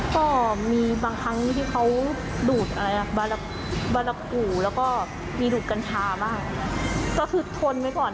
ก็มีบางครั้งที่เขาดูดบารกูแล้วก็มีดูดกัญชาบ้าง